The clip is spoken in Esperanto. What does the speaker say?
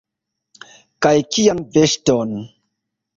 Kaj kian veŝton?